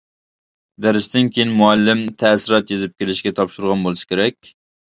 دەرستىن كېيىن مۇئەللىم تەسىرات يېزىپ كېلىشكە تاپشۇرغان بولسا كېرەك.